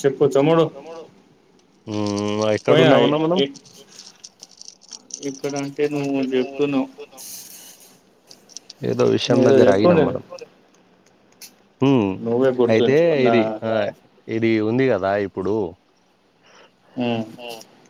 చెప్పు తమ్ముడు ఊ ఎక్కడ పోయినా ఉన్నాం అన్నా మనం ఇక్కడ అంటే నువ్వు చెప్తున్నావ్ ఏదో విషయం దగ్గర ఆగినాం మనం ఉమ్ నువ్వే అయితే గుర్తుంచుకున్నా ఇది ఆ ఇది ఉంది కదా ఇప్పుడు ఉమ్,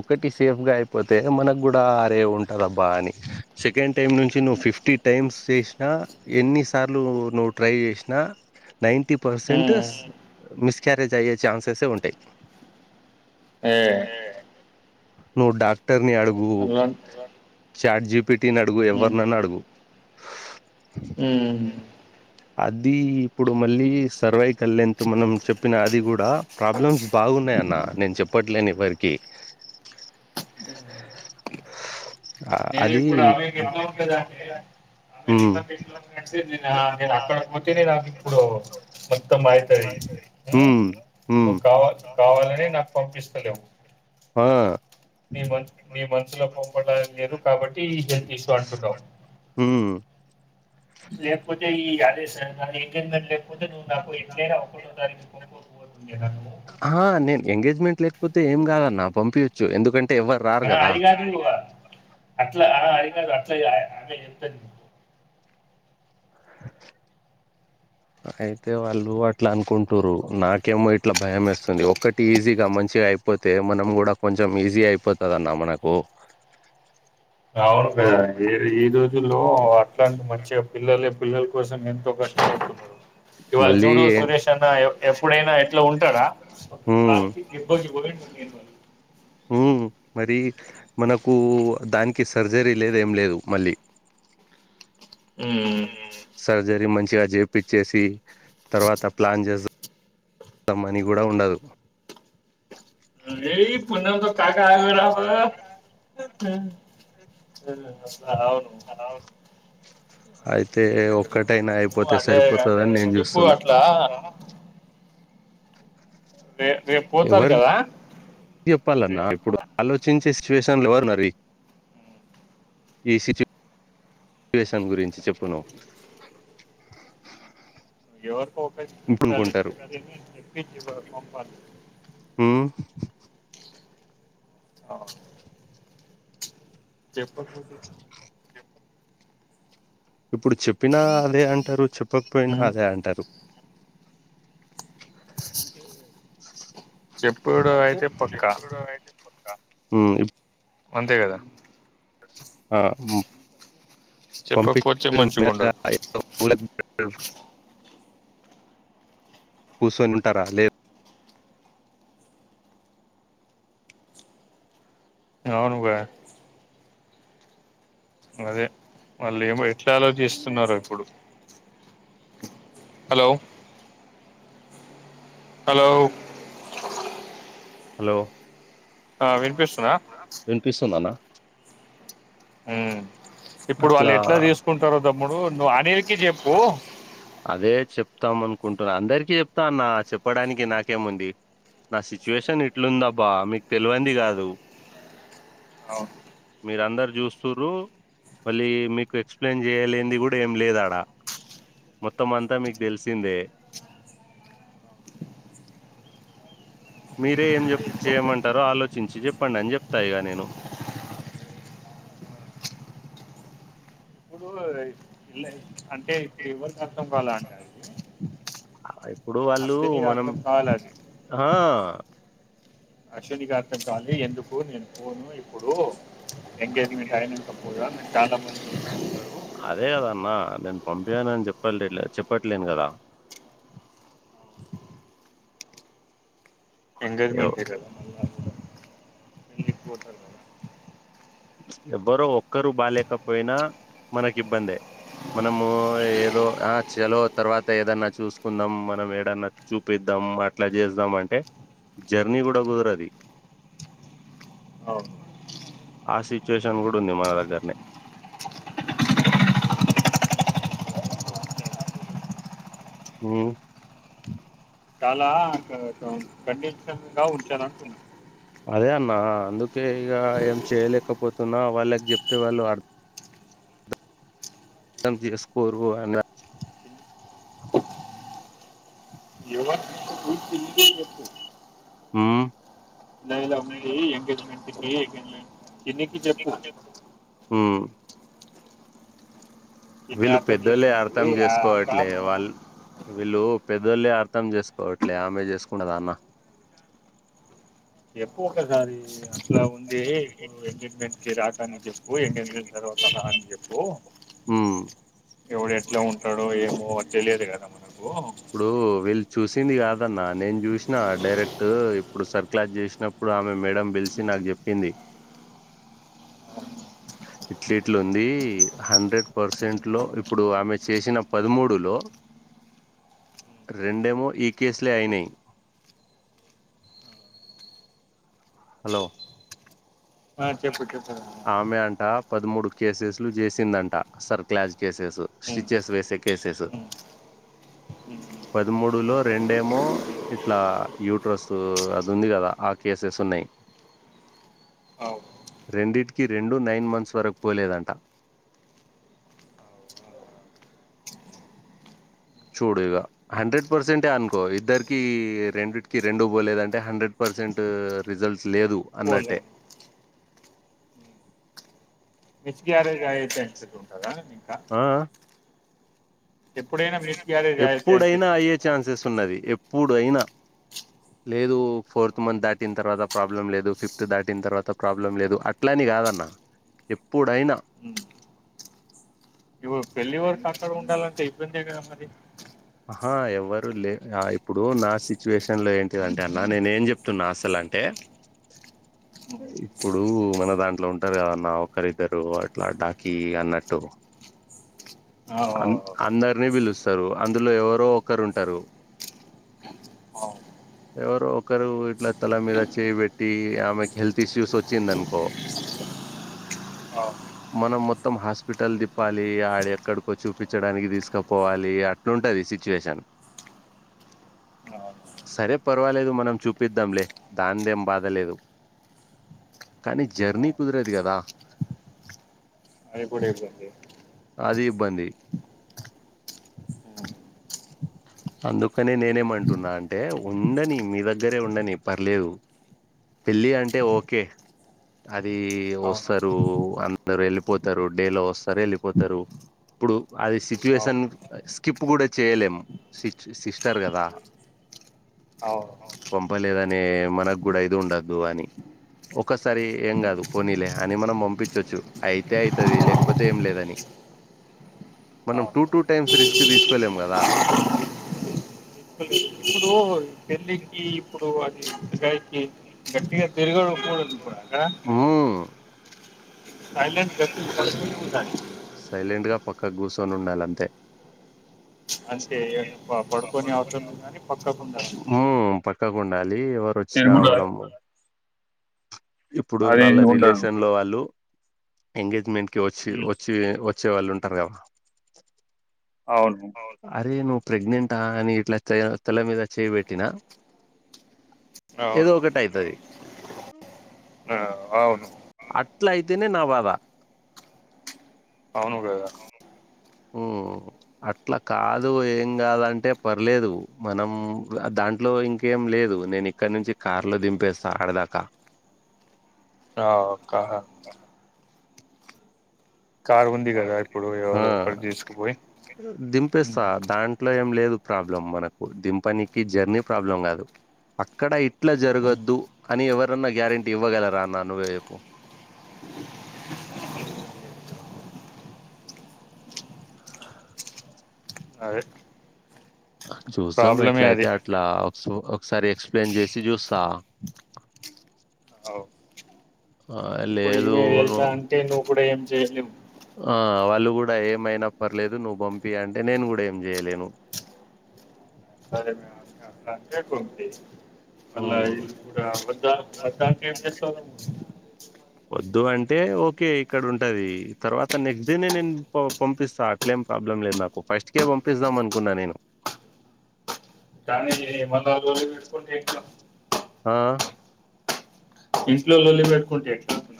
ఒకటి సేఫ్గా అయిపోతే మనకు కూడా ఆరే ఉంటుందబ్బా అని సెకండ్ టైం నుంచి నువ్వు ఫిఫ్టీ టైమ్స్ చేసిన ఎన్నిసార్లు నువ్వు ట్రై చేసిన నైన్టీ ఉమ్, పర్సెంటస్ మిస్క్యారేజ్ అయ్యే ఛాన్ససే ఉంటాయి ఏ నువ్ డాక్టర్ ని అడుగు అలా చార్ట్జిప్ పిటిని అడుగు ఎవరినన అడుగు ఊ అది ఇప్పుడు మళ్ళీ సర్వైవ్ కలెన్త్ మనం చెప్పినా అది కూడా ప్రాబ్లమ్స్ బాగున్నాయ అన్న నేను చెప్పట్లేని వరికి ఊ ఆ, నేను అది ఇప్పుడు అమెకి ఎట్ల ఉంటదంటే ఉమ్ ఆ నేన్ అక్కడ పోతేనె షాప్ ఇప్పుడో మొత్తం బడేత్తది ఉమ్ ఉమ్ నువ్వు కావా కావాలనే నాకు పంపిస్తలేవు ఆ నీ మ నీ మనుసులో పంపడని లేదు కాబట్టి ఈ హెల్త్ ఇష్యూ అంటున్నావ్ ఊ లేకపోతే ఆర్య సంఘానికయినా లేకపోతే నాకు ఎట్లయినా ఒకటో తారీకు పంపక పోతు ఆహ నేను ఎంగేజ్మెంట్ లేకపోతే ఏం కాదన్న పంపియచ్చు ఎందుకం ఆ అదిగాదు అట్లా ఆ అదిగాదు అట్లా ఆ ఆమె చెప్తది నువ్ పొ అయితే వాళ్ళు అట్లా అనుకుంటారు నాకు ఏమో ఇట్లా భయం వేస్తుంది ఒక్కటి ఈజీ మంచిగా అయిపోతే మనం కూడా కొంచం ఈజీ అయిపోతదన్న మనకు అవును కదా ఏ ఈ రోజుల్లో అట్లాంటి మంచిగ పిల్లలే పిల్లల కోసం ఎంతో కష్టపడుతున్నరు ఇవాళ మళ్ళీ చూడు ఏ- సురేష్ అన్న ఎ ఎప్పుడైనా ఎట్లా ఉంటడా ఒక ఉమ్ కాలుకు దెబ్బకి పోయిండు నేను వాళ్ళు ఊ మరి మనకు దానికి సరి జరీ లేదు ఏం లేదు మళ్ళీ ఊ సర్జరీ మంచిగా చేపిచ్చేసి తర్వాత ప్లాన్ చేస్త అ మనీ కూడా ఉండదు నువ్ ఏయ్ పునతో కాకా అ రాపొ ఉ ఊ అట్లా అవును అయితే ఇప్పుడు ఒక్కటైనా నువ్వు అయిపోతే అదే కానీ సరిపోతదని నువ్వు నేను చెప్పు చూస్తున్నా అట్లా రే రేపు పోతారు ఎవరికి కదా చెప్పాలన్నా ఇప్పుడు ఆలోచించే సిచ్యువేషన్ల ఎవరునరు ఈ ఈ సిచ్యువేషన్ గురించి చెప్పును నువ్ ఎవరు ఓపెన్ ఇప్పుడు చెప్పాలి అనుకుంటారు చెపింది చేపిచ్చి పంపాలి ఊ ఆ చెప్పపోతి ఇప్పుడు చెప్పినా అదే అంటారు చెప్పకపోయినా అదే అంటారు చెప్పుడు అయితే పక్కా ఊ ఇప్ అంతే కదా ఆ గు పంపి చెప్పకపోతే మంచిగా ఉండదు [unintelligible] చెప్ క్యూసోనిఉంటరా లేదు అవునుగా అదే వాళ్ళు ఏమో ఎట్లా ఆలోచిస్తున్నారో ఇప్పుడు హలో హలో హలో ఆ వినిపిస్తుందా వినిపిస్తుందవినిపిస్తుందఅన్నా హ్మ ఇప్పుడు వాళ్ళు ఎట్లా తీసుకుంటారో తమ్ముడు నువ్వు అనిల్కి చెప్పు అదే చెప్తాం అనుకుంటున్నా అందరికిీ చెప్తా అన్నా చెప్పడానికి నాకేముంది నా సిచ్యువేషన్ ఇట్లుందబ్బా మీకు తెలవంది కాదు మీరఅందరు చూస్తు్రూ మళ్ళీ మీకు ఎక్స్ప్లెయిన్ చేయలేనది కూడా ఏం లేదాడా మొత్తం అంతా మీకు తెలిసిందే మీరే ఏం చెప్ చేయమంటారో ఆలోచించి చెప్పండి అని చెప్తా ఇగా నేను ఇప్పుడు ఇల్ల- అంటే ఇప్పుడు ఎవరికి అర్థం కాల అంటారు ఇప్పుడు వాళ్ళు మనం కావాలి అది ఆ అశ్వినికి అర్థం కాలే ఎందుకు నేను పోను ఇప్పుడు ఎంగేజ్మెంట్ అయినక్క పొయినాక చానా మంది అదే కదా అన్న నేను పంపినని చెప్పలే చెప్పట్లేను కదా ఎంగేజ్మెంట్ ఎవ్- ఇ రోజ ఎవ్వరో ఒక్కరు బాాలేకపోయినా మనకి ఇబ్బందే మనము ఏదో ఆ చలో తర్వాత ఏదన్నా చూసుకుందాం మనం ఏడన్నా చూపిద్దాం ధం అట్లా చేద్దాం అంటే జర్నీ కూడా కుదరది అవున్ ఆ సిచ్యుయేషన్ కూడా ఉంది మన దగ్గర్నే నేన చాలా కండిషన్ గా ఉంచను అంటున్న అదే అన్న అందుకే ఇక ఏం చేయలేకపోతున్నా వాళ్ళకి చెప్తే వాళ్ళు అర్ అర్థం చేసుకోరు అన ఎవ్వర్ హ్మ్ ఇ ఎంగేజ్మెంట్ కి ఎనికి చెప్పు ఉమ్. ఇన్ని వీళ్ళు అర్థం పెద్దొలె అర్థం చేసుకుంటుంది అక్క చేసుకోవట్లే నువ్వు వాళ్ వీళ్ళు పెద్దోళ్లే అర్థం చేసుకోవట్లే ఆమె చేసుకుంటాద అన్న ఏకువ కదా అది ఇట్లా ఉంది ఇప్పుడు ఎంగేజ్మెంట్ కి రాకని చెప్పు ఎంగేజ్మెంట్ తర్వాత రా అని చెప్పు ఉమ్. ఎవడు ఎట్లా ఉంటాడో ఏమో అది తెలియదు కదా మనకు ఇప్పుడు వెళ్ చూసింది కాదన్న నేను చూసిన డైరెక్ట్ ఇప్పుడు సర్కలస్ చేసినప్పుడు ఆమె మేడం పిలిచిన నాక్ చెప్పింది ఇట్లీట్లుంది హండ్రెడ్ పర్సెంట్ లో ఇప్పుడు ఆమె చేసిన పదమూడు లో రెండేమో ఈ కేసులే అయినయ్ అ హలో ఆ, చెప్పు చెప్పు ఆమె అంటా పదమూడు కేసెస్ లు చేసిందంట సర్క్లాజ్ కేసెస్ ఉమ్, స్టిచెస్ వేసే కేసఎస్ ఉ పదమూడులో రెండేమో ఇట్లా యూట్రస్ అది ఉంది కదా ఆ కేసెస్ ఉన్నాయి అ రెండిటికిీ రెండూ నైన్ మంత్స్ వరకు పోలేదంట [inaudible] చూడు ఇక హండ్రెడ్ పర్సెంట్ అనుకో ఇద్దరికి రెండుకి రెండు పోలేదంటే హండ్రెడ్ పర్స పర్సెంట్ రిజల్ట్ లేదు పోలే అన్నట్టే మిస్కియార కాయ అయితే అంటట్ ఉంటుందా ఇంకా [inaudible] ఆ ఎప్పుడైనా మిస్ గ్యారేజ్ అయ్యే ఛాన్సెస్ ఎప్పుడైనా అయ్యే ఉంటుందా ఛాన్సెస్ ఉన్నది ఎప్పుడయినా లేదు ఫోర్త్ మంత్ దాటిన తర్వాత ప్రాబ్లం లేదు ఫిఫ్త్ దాటిన తర్వాత ప్రాబ్లం లేదు అట్లానే కాదన్న ఎప్పుడైనా ఇ పెళ్లి వరకు సక్కగా ఉండాలంటే ఇబ్బంది కదా మరి ఆ ఎవ్వరు లే ఇప్పుడు నా సిచ్యుయేషన్ లో ఏంటిదంటే అన్న నేను ఏం చెప్తున్నా అసలు అంటే ఇప్పుడు మన దాంట్లో ఉంటారు కదన్న ఒకరిద్దరు అట్లా డాకీ అన్నట్టు ఆ ఆ అందరిని పిలుస్తారు అందులో ఎవరో ఒకరు ఉంటారు అ ఎవరు ఒకరు ఇట్లా తల మీద చేయిబెట్టి ఆమెకి హెల్త్ ఇష్యూస్ వచ్చింది అనుకో అ మనం మొత్తం హాస్పిటల్ తిప్పాలి ఆడ ఎక్కడికో చూపించడానికి తీసుకపోవాలి ట్లుంటుంది సిచ్యుయేషన్ అవును. సరే పర్వాలేదు మనం చూపిద్దాంలే దాందేం బాధలేదు కానీ జర్నీ కుదరేదు కదా అది కూడా ఇతుండి అది ఇబ్బంది ఉమ్. అందుకనే నేనేమంటున్నా అంటే ఉండని మీ దగ్గరే ఉండని పర్లేదు పెళ్ళి అంటే ఓకే అది అవును వస్తారు అందరు వెళ్ళిపోతారు డేలో వస్తారు వెళ్ళిపోతారు ఇప్పుడు అది సిచ్యువేషన్ అవును స్కిప్ కూడా చేయలేము సి సిస్టర్ కదా అవును పంపలేదనే మనకు కూడా ఇది ఉండద్దు అని ఒక్కసారి ఏం ఉమ్, కాదు పోనీలే అని మనం పంపించచ్చు అయితే అవుతుది లేకపోతే ఏం లేదని మనం అవును టూ టూ టైమ్స్ రిస్క్ తీసుకోలేం కదా ఇప్పుడు ఇప్పుడు పెళ్ళికి ఇప్పుడు అది గట్టిగా తిరగకూడదు ఇప్పుడు అక్కడ సైలెంట్ గట్టిగా పడుకొని ఉండాలి సైలెంట్గా పక్క కుసోని ఉండాలంతే అంతే ప- పడుకొని అవసరం లేదు కానీ పక్కకు ఉండాలి ఉమ్ ఎక్కకుండాలి ఎవరు నేను వచ్చినా కూడా మనం ఇప్పుడు అది వాళ్ళ ఇది ఉండదు రిలేషన్ లో వాళ్ళు ఎంగేజ్మెంట్కిి వచ్చి ఉమ్, వచ్చి వచ్చే వాళ్ళు ఉంటారు కదా అవును అరే నువ్వు ప్రెగ్నెంటా అని ఇట్లా తల్ల మీద చేయిబెట్టినా ఏదో అవును ఒకటి అవుతుది ఆ, అవును అట్ల అయితేనే నా బాధ అవును కదా అ అట్లా కాదు ఏం కాదంటే పర్లేదు మనం దాంట్లో ఇంకేం లేదు నేను ఇక్కడ నుంచి కార్ లో దింపేస్తా ఆడదాకా అ ఓకహా కారు ఉంది కదా ఇప్పుడు ఆ ఎవరో ఒకరు తీసుకుపోయి ఉమ్, దింపేస్తా దాంట్లో ఏం లేదు ప్రాబ్లం మనకు దింపనికి జర్నీ ప్రాబ్లం కాదు అక్కడ ఇట్లా ఉమ్, జరగొద్దు అని ఎవరన్నా గ్యారంటీ ఇవ్వగలరాన్నా నువ్వే చెప్పు అదే చూస్తాం ప్రాబ్లమే ఎట్లయితే అది అట్లా సో ఒకసారి ఎక్స్ప్లెయిన్ చేసి చూస్తా అవు ఆ ఇప్పుడు లేదు ఈమె వెళ్తా అంటే నువ్వు కూడా ఏం చెయలేవు ఆ వాళ్ళు కూడా ఏమైనా పర్లేదు నువ్వు పంపి అంటే నేను కూడా ఏం చేయలేను అరే మే కకుంది అళ్లా ఉమ్ ఇ అపద చేసే వాళ్ళం వద్దు అంటే ఓకే ఇక్కడ ఉంటది తర్వాత నెక్స్ట్ డేనే నేను పంపిస్తా అట్లే ప్రాబ్లం లేదు నాకు ఫస్ట్కే పంపిస్తాం అనుకున్నా నేను స్నానం చేయు ఆ ఇట్లో లోల్లి బెట్టుకుంటే కొంటే ఎట్ల అంటున్న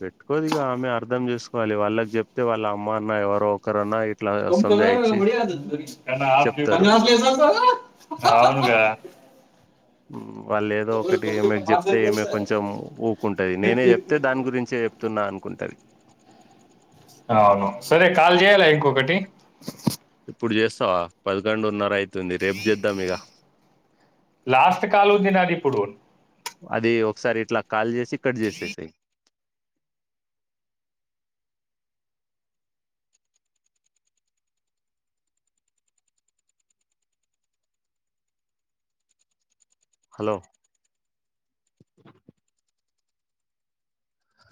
పెట్టుకోదిగా ఆమె అర్థం చేసుకోవాలి వాళ్ళకి చెప్తే వాళ్ళ అమ్మ అన్న ఎవరో ఒకరురన్నా కొంచెం అయిన మర్యాద ఇస్తుది చెప్తారు గా వాళే ఒకటి ఏమెకు చెప్తే ఏమె కొంచెం ఊకుంటంది నేనే చెప్తే దాని గురించి చెప్తున్నా అనుకుంటుంది అవును సరే కాల్ చేయాల ఇంకొకటి ఇప్పుడు చేస్తావా పదకొండున్నర అయితుంది రేపు చేద్దాం ఇక లాస్ట్ కాల్ ఉంది నాది యిప్పుడు అది ఒకసారి ఇట్లా కాల్ చేసి కట్ చేసేసయి అ హలో